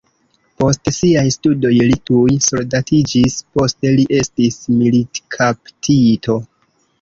Post siaj studoj li tuj soldatiĝis, poste li estis militkaptito.